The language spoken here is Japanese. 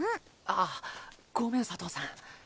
あっごめん佐藤さん。